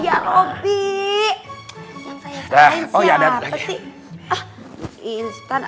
ya allah ya allah